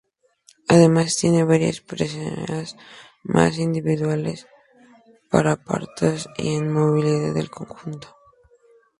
Además, tiene varias preseas más individuales, por aparatos y en modalidad de conjuntos.